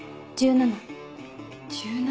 １７。